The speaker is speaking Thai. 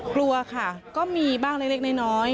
กลัวค่ะก็มีบ้างเล็กน้อย